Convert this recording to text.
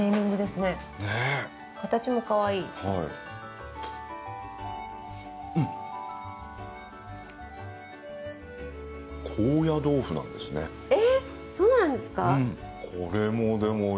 えそうなんですか？